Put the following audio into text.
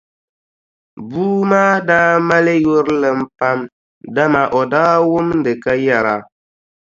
Bua maa daa mali yurilim pam dama o daa wumdi ka yɛra.